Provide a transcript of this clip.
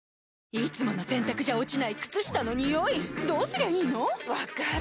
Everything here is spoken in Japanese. いつもの洗たくじゃ落ちない靴下のニオイどうすりゃいいの⁉分かる。